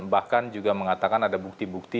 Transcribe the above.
bahkan juga mengatakan ada bukti bukti